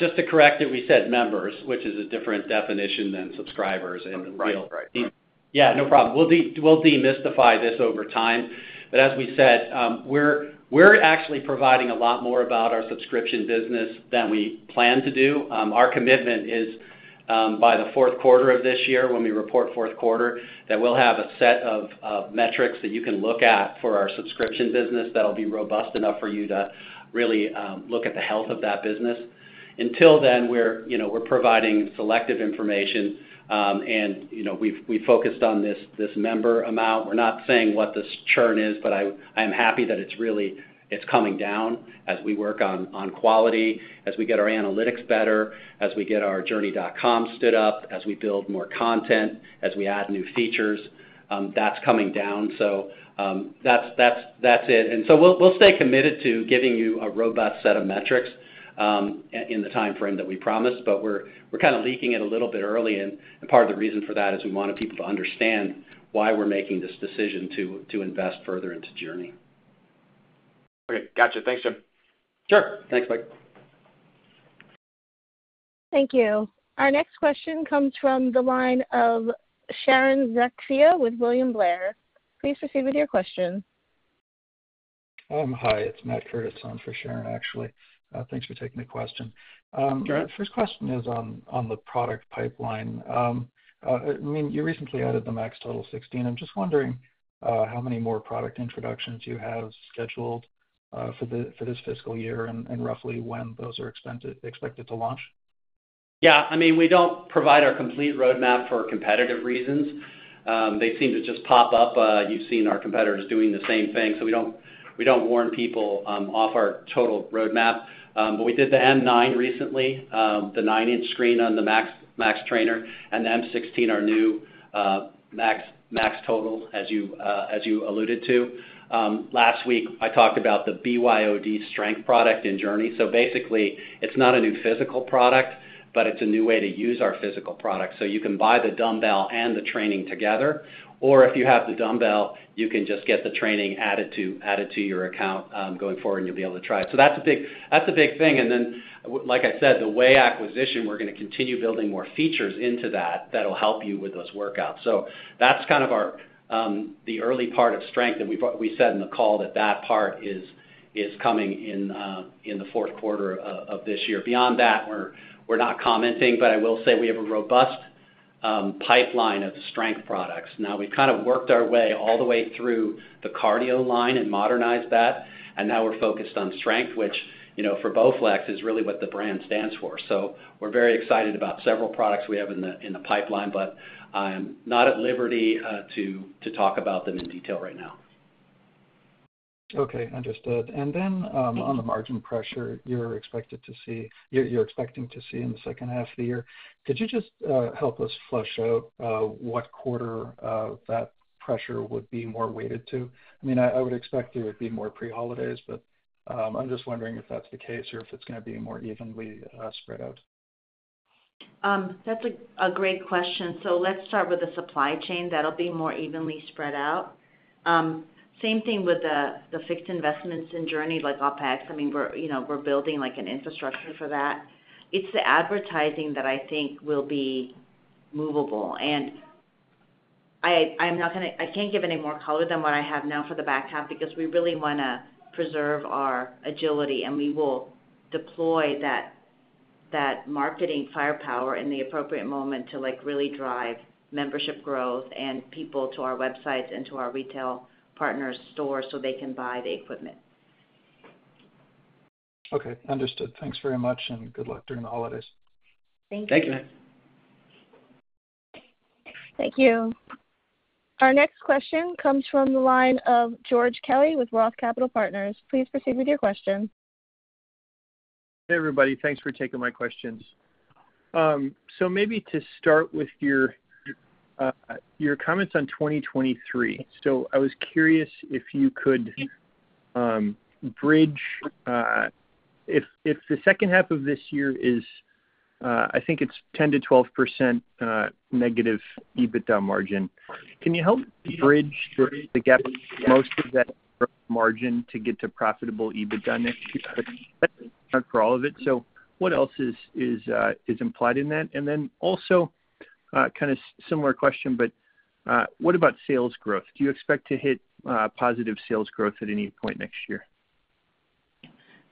Just to correct that we said members, which is a different definition than subscribers. Right. Right. Yeah, no problem. We'll demystify this over time. As we said, we're actually providing a lot more about our subscription business than we plan to do. Our commitment is, by the fourth quarter of this year when we report fourth quarter, that we'll have a set of metrics that you can look at for our subscription business that'll be robust enough for you to really look at the health of that business. Until then, you know, we're providing selective information, and, you know, we've focused on this member amount. We're not saying what this churn is, but I'm happy that it's coming down as we work on quality, as we get our analytics better, as we get our jrny.com stood up, as we build more content, as we add new features. That's coming down. That's it. We'll stay committed to giving you a robust set of metrics in the timeframe that we promised, but we're kind of leaking it a little bit early. Part of the reason for that is we wanted people to understand why we're making this decision to invest further into JRNY. Okay. Gotcha. Thanks Jim. Sure. Thanks Mike. Thank you. Our next question comes from the line of Sharon Zackfia with William Blair. Please proceed with your question. Hi, it's Matt Curtis on for Sharon, actually. Thanks for taking the question. Sure. First question is on the product pipeline. I mean, you recently added the Max Total 16. I'm just wondering how many more product introductions you have scheduled for this fiscal year and roughly when those are expected to launch. Yeah, I mean, we don't provide our complete roadmap for competitive reasons. They seem to just pop up. You've seen our competitors doing the same thing, so we don't warn people off our total roadmap. But we did the M9 recently, the nine-inch screen on the Max Trainer, and the M16, our new Max Total, as you alluded to. Last week, I talked about the BYOD strength product in JRNY. Basically, it's not a new physical product, but it's a new way to use our physical product. You can buy the dumbbell and the training together, or if you have the dumbbell, you can just get the training added to your account going forward, and you'll be able to try it. That's a big thing. Like I said, the VAY acquisition, we're gonna continue building more features into that that'll help you with those workouts. That's kind of our, the early part of strength. We said in the call that that part is coming in in the fourth quarter of this year. Beyond that, we're not commenting, but I will say we have a robust pipeline of strength products. Now, we've kind of worked our way all the way through the cardio line and modernized that, and now we're focused on strength, which, you know, for Bowflex, is really what the brand stands for. We're very excited about several products we have in the pipeline, but I am not at liberty to talk about them in detail right now. Okay. Understood. Then, on the margin pressure you're expected to see in the second half of the year, could you just help us flesh out what quarter of that pressure would be more weighted to? I mean, I would expect it would be more pre-holidays, but I'm just wondering if that's the case or if it's gonna be more evenly spread out. That's a great question. Let's start with the supply chain. That'll be more evenly spread out. Same thing with the fixed investments in JRNY, like OpEx. I mean, we're you know we're building like an infrastructure for that. It's the advertising that I think will be movable, and I can't give any more color than what I have now for the back half because we really wanna preserve our agility, and we will deploy that marketing firepower in the appropriate moment to like really drive membership growth and people to our websites and to our retail partners' stores so they can buy the equipment. Okay. Understood. Thanks very much and good luck during the holidays. Thank you. Thank you Matt. Thank you. Our next question comes from the line of George Kelly with Roth Capital Partners. Please proceed with your question. Hey, everybody. Thanks for taking my questions. Maybe to start with your comments on 2023. I was curious if the second half of this year is, I think it's 10%-12% negative EBITDA margin. Can you help bridge the gap most of that margin to get to profitable EBITDA next year? For all of it. What else is implied in that? Then also, kind of similar question, but, what about sales growth? Do you expect to hit positive sales growth at any point next year?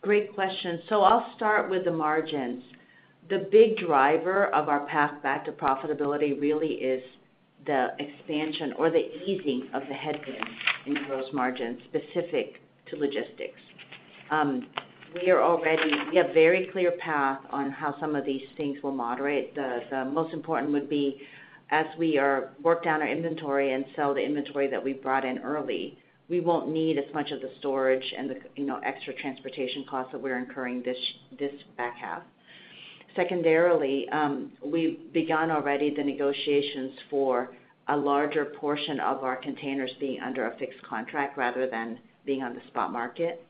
Great question. I'll start with the margins. The big driver of our path back to profitability really is the expansion or the easing of the headwind in gross margin specific to logistics. We have very clear path on how some of these things will moderate. The most important would be work down our inventory and sell the inventory that we brought in early, we won't need as much of the storage and the, you know, extra transportation costs that we're incurring this back half. Secondarily, we've begun already the negotiations for a larger portion of our containers being under a fixed contract rather than being on the spot market.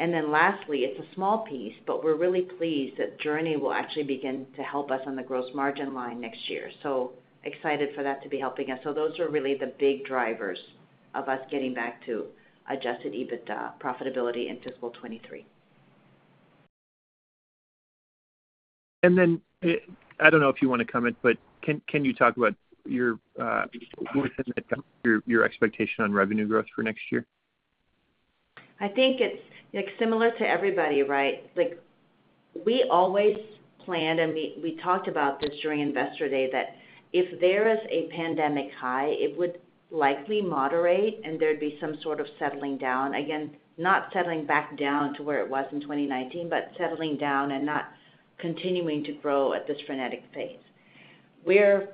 Lastly, it's a small piece, but we're really pleased that JRNY will actually begin to help us on the gross margin line next year. Excited for that to be helping us. Those are really the big drivers of us getting back to Adjusted EBITDA profitability in fiscal 2023. I don't know if you wanna comment, but can you talk about your expectation on revenue growth for next year? I think it's, like, similar to everybody, right? Like, we always planned, and we talked about this during Investor Day, that if there is a pandemic high, it would likely moderate, and there'd be some sort of settling down. Again, not settling back down to where it was in 2019, but settling down and not continuing to grow at this frenetic pace. We're,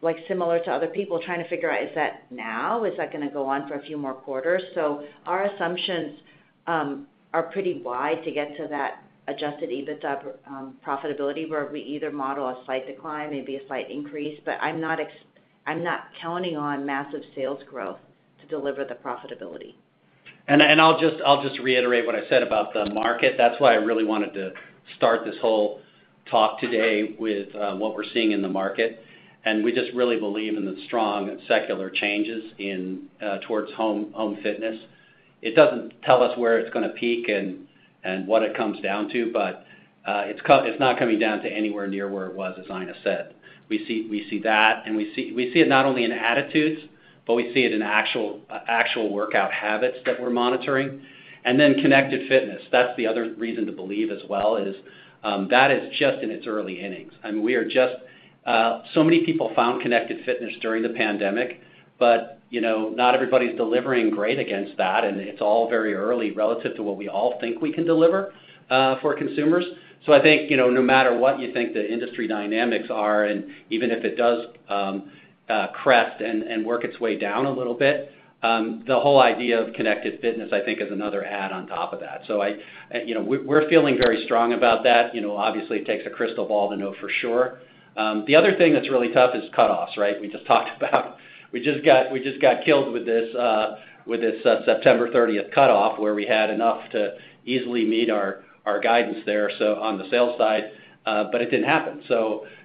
like, similar to other people, trying to figure out is that now? Is that gonna go on for a few more quarters? Our assumptions are pretty wide to get to that Adjusted EBITDA profitability where we either model a slight decline, maybe a slight increase. I'm not counting on massive sales growth to deliver the profitability. I'll just reiterate what I said about the market. That's why I really wanted to start this whole talk today with what we're seeing in the market, and we just really believe in the strong secular changes in towards home fitness. It doesn't tell us where it's gonna peak and what it comes down to, but it's not coming down to anywhere near where it was, as Aina said. We see that, and we see it not only in attitudes, but we see it in actual workout habits that we're monitoring. Then connected fitness, that's the other reason to believe as well, is that is just in its early innings. I mean, we are just... Many people found connected fitness during the pandemic, but you know, not everybody's delivering great against that, and it's all very early relative to what we all think we can deliver for consumers. I think, you know, no matter what you think the industry dynamics are, and even if it does crest and work its way down a little bit, the whole idea of connected fitness, I think, is another add on top of that. You know, we're feeling very strong about that. You know, obviously, it takes a crystal ball to know for sure. The other thing that's really tough is cutoffs, right? We just talked about. We just got killed with this September thirtieth cutoff where we had enough to easily meet our guidance there, so on the sales side, but it didn't happen.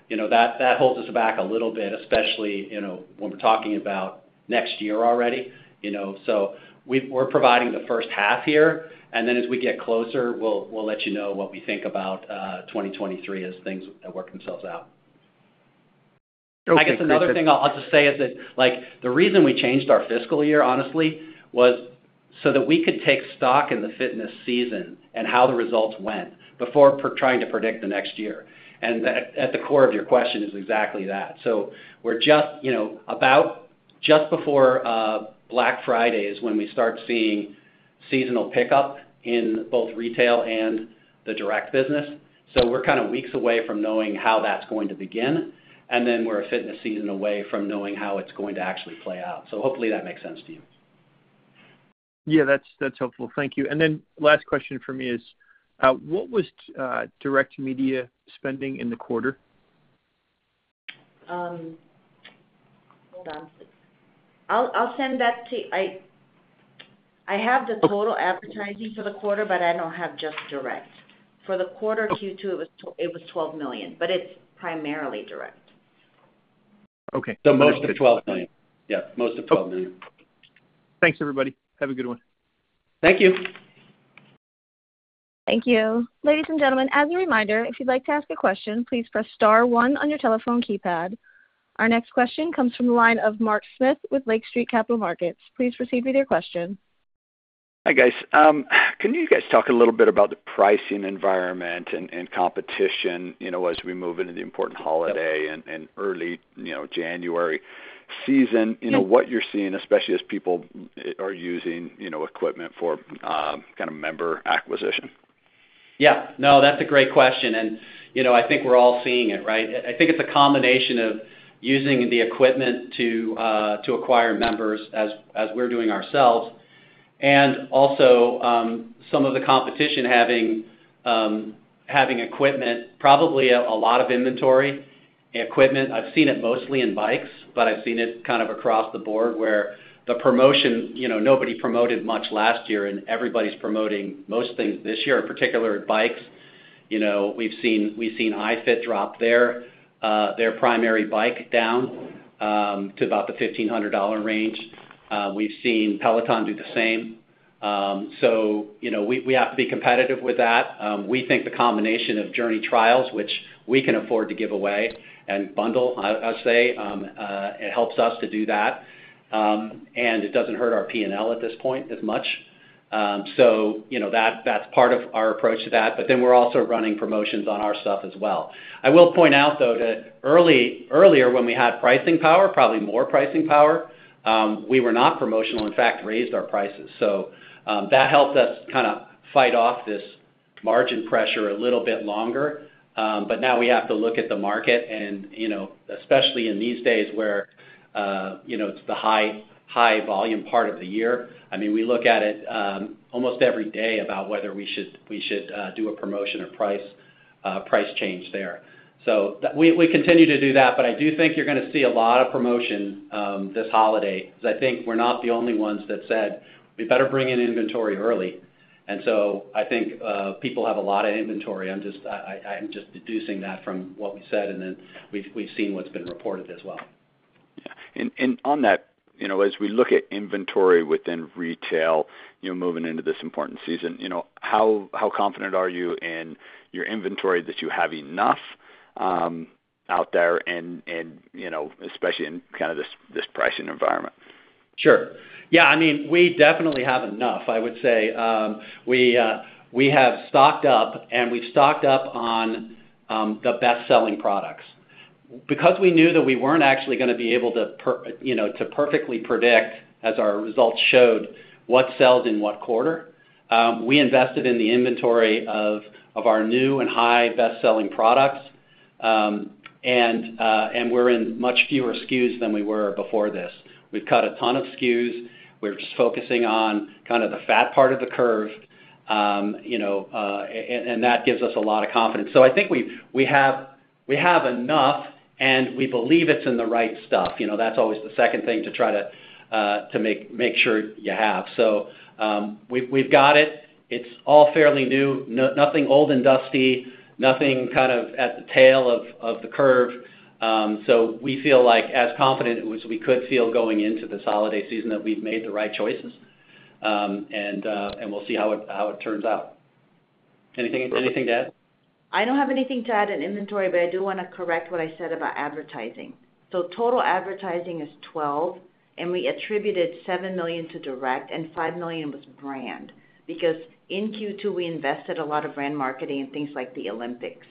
You know, that holds us back a little bit, especially, you know, when we're talking about next year already. You know, so we're providing the first half here, and then as we get closer, we'll let you know what we think about 2023 as things work themselves out. Okay. I guess another thing I'll just say is that, like, the reason we changed our fiscal year, honestly, was so that we could take stock in the fitness season and how the results went before trying to predict the next year. At the core of your question is exactly that. We're just, you know, about just before Black Friday is when we start seeing seasonal pickup in both retail and the direct business. We're kind of weeks away from knowing how that's going to begin, and then we're a fitness season away from knowing how it's going to actually play out. Hopefully that makes sense to you. Yeah, that's helpful. Thank you. Last question for me is, what was direct media spending in the quarter? Hold on. I'll send that to you. I have the total advertising for the quarter, but I don't have just direct. For the quarter Q2, it was $12 million, but it's primarily direct. Okay. Most of $12 million. Thanks everybody. Have a good one. Thank you. Thank you. Ladies and gentlemen, as a reminder, if you'd like to ask a question, please press star one on your telephone keypad. Our next question comes from the line of Mark Smith with Lake Street Capital Markets. Please proceed with your question. Hi, guys. Can you guys talk a little bit about the pricing environment and competition, you know, as we move into the important holiday and early, you know, January season? You know, what you're seeing, especially as people are using, you know, equipment for kind of member acquisition. Yeah. No, that's a great question. You know, I think we're all seeing it, right? I think it's a combination of using the equipment to acquire members as we're doing ourselves. Also, some of the competition having equipment, probably a lot of inventory equipment. I've seen it mostly in bikes, but I've seen it kind of across the board where the promotion, you know, nobody promoted much last year and everybody's promoting most things this year, in particular bikes. You know, we've seen iFit drop their primary bike down to about the $1,500 range. We've seen Peloton do the same. So, you know, we have to be competitive with that. We think the combination of JRNY trials, which we can afford to give away and bundle, I would say, it helps us to do that, and it doesn't hurt our P&L at this point as much. You know, that's part of our approach to that. We're also running promotions on our stuff as well. I will point out, though, that earlier when we had pricing power, probably more pricing power, we were not promotional. In fact, we raised our prices. That helped us kind of fight off this margin pressure a little bit longer. Now we have to look at the market and, you know, especially in these days where, you know, it's the high volume part of the year. I mean, we look at it almost every day about whether we should do a promotion or price change there. We continue to do that, but I do think you're gonna see a lot of promotion this holiday, 'cause I think we're not the only ones that said, "We better bring in inventory early." I think people have a lot of inventory. I'm just deducing that from what we said, and then we've seen what's been reported as well. On that, you know, as we look at inventory within retail, you know, moving into this important season, you know, how confident are you in your inventory that you have enough out there and, you know, especially in kind of this pricing environment? Sure. Yeah, I mean, we definitely have enough. I would say, we have stocked up, and we've stocked up on the best-selling products. Because we knew that we weren't actually gonna be able to you know, to perfectly predict, as our results showed, what sells in what quarter, we invested in the inventory of our new and high best-selling products. And we're in much fewer SKUs than we were before this. We've cut a ton of SKUs. We're just focusing on kind of the fat part of the curve, you know, and that gives us a lot of confidence. So I think we have enough, and we believe it's in the right stuff. You know, that's always the second thing to try to make sure you have. We've got it. It's all fairly new. Nothing old and dusty, nothing kind of at the tail of the curve. We feel like as confident as we could feel going into this holiday season that we've made the right choices. We'll see how it turns out. Anything to add? I don't have anything to add in inventory, but I do wanna correct what I said about advertising. Total advertising is $12 million, and we attributed $7 million to direct and $5 million was brand. Because in Q2, we invested a lot of brand marketing in things like the Olympics.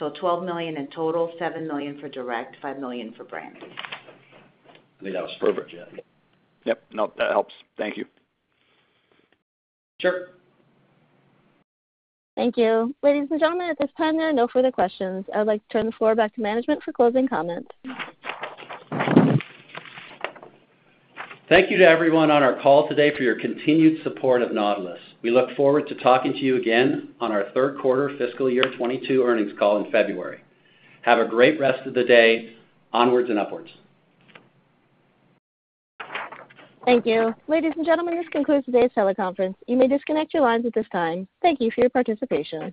$12 million in total, $7 million for direct, $5 million for brand. I think that was clear, Mark. Yep. Nope, that helps. Thank you. Sure. Thank you. Ladies and gentlemen, at this time, there are no further questions. I would like to turn the floor back to management for closing comments. Thank you to everyone on our call today for your continued support of Nautilus. We look forward to talking to you again on our third quarter fiscal year 2022 earnings call in February. Have a great rest of the day. Onwards and upwards. Thank you. Ladies and gentlemen, this concludes today's teleconference. You may disconnect your lines at this time. Thank you for your participation.